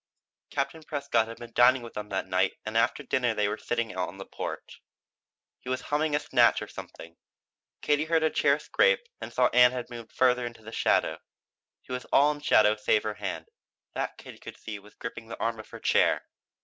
Captain Prescott had been dining with them that night and after dinner they were sitting out on the porch. He was humming a snatch of something. Katie heard a chair scrape and saw that Ann had moved farther into the shadow. She was all in shadow save her hand; that Katie could see was gripping the arm of her chair.